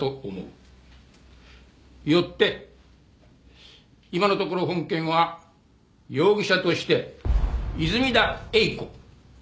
よって今のところ本件は容疑者として泉田栄子島村昌子